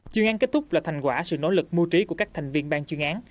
chương án kết thúc là thành quả sự nỗ lực mưu trí của các thành viên bang chương án